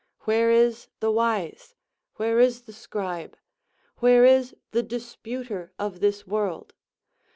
Where is the wise? Where is the scribe? Where is the disputer of this world?